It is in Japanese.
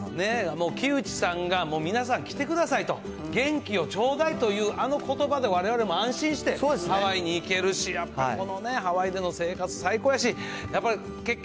もう木内さんが、皆さん来てくださいと、元気をちょうだいというあのことばで、われわれも安心してハワイに行けるし、やっぱりこのね、ハワイでの生活、最高やし、やっぱり、結局、